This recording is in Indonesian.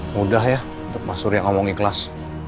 mudah ya untuk mas surya ngomong ikhlas